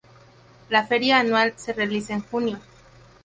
La feria anual se realiza en Junio.